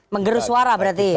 mengeru suara berarti